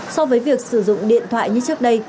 so với việc sử dụng điện thoại như trước đây